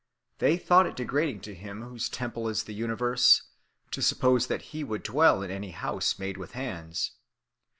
They thought it degrading to him whose temple is the universe, to suppose that he would dwell in any house made with hands.